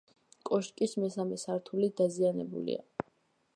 კოშკის მესამე სართული დაზიანებულია.